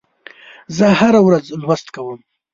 زه هره ورځ لوست کوم.